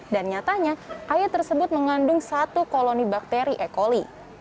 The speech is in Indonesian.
dan nyatanya air tersebut mengandung satu koloni bakteri e coli